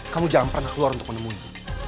kamu jangan pernah keluar untuk menemui